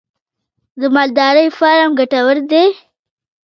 د مالدارۍ فارم ګټور دی؟